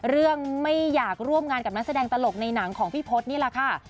ไม่อยากร่วมงานกับนักแสดงตลกในหนังของพี่พศนี่แหละค่ะ